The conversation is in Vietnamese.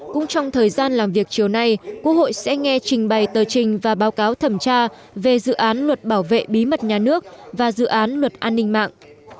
cũng trong thời gian làm việc chiều nay quốc hội sẽ nghe trình bày tờ trình và báo cáo thẩm tra về dự án luật bảo vệ bí mật nhà nước và dự án luật an ninh mạng